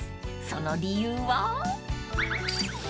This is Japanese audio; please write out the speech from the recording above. ［その理由は］